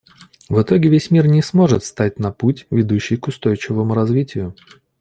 В итоге весь мир не сможет встать на путь, ведущий к устойчивому развитию.